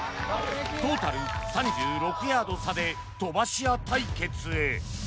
トータル３６ヤード差で飛ばし屋対決へ